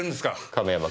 亀山君。